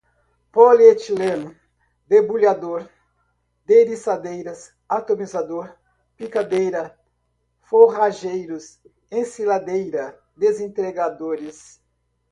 polietileno, debulhador, derriçadeiras, atomizador, picadeira, forrageiros, ensiladeira, desintegradores